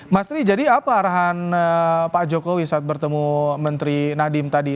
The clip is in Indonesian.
mas tri jadi apa arahan pak jokowi saat bertemu menteri nadiem tadi